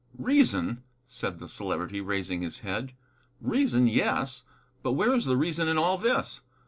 "Reason," said the Celebrity, raising his head. "Reason, yes. But where is the reason in all this?